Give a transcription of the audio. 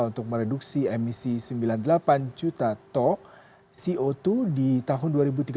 untuk mereduksi emisi sembilan puluh delapan juta ton co dua di tahun dua ribu tiga puluh